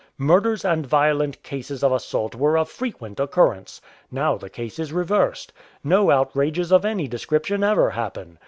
Murders and violent cases of assault were of frequent occurrence. Now the case is reversed. No outrages of any description ever happen.